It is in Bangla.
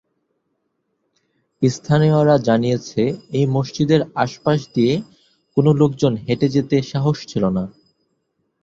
স্থানীয়রা জানিয়েছে এই মসজিদের আশপাশ দিয়ে কোন লোকজন হেটে যেতে সাহস ছিলনা।